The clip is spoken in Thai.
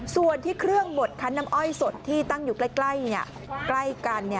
ส่วนที่เครื่องบดคันน้ำอ้อยสดที่ตั้งอยู่ใกล้กัน